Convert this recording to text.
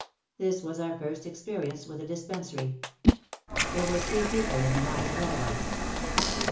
This was our first experience with a Dispensary. There were three people in the line ahead of us.